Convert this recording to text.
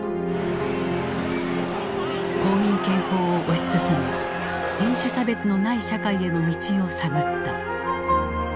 公民権法を推し進め人種差別のない社会への道を探った。